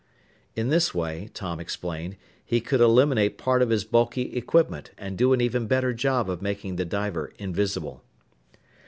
In this way, Tom explained, he could eliminate part of his bulky equipment and do an even better job of making the diver "invisible."